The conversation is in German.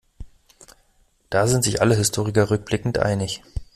Da sind sich alle Historiker rückblickend einig.